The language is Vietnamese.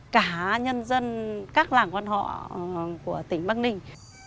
cả nhân dân các làng quan họ của tỉnh bắc ninh